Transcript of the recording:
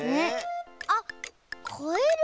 あっカエル？